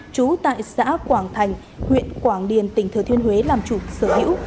trú tại xã quảng thành huyện quảng điền tỉnh thừa thiên huế làm chủ sở hữu